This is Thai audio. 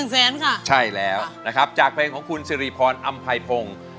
แฟนค่ะใช่แล้วนะครับจากเพลงของคุณสิริพรอำไพพงศ์